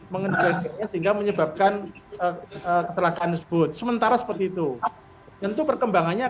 mengenai tinggal menyebabkan telah kan sebut sementara seperti itu tentu perkembangannya